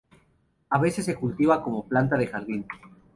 A veces se cultiva como planta de jardín.